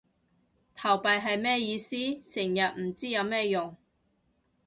投幣係咩意思？成日唔知有咩用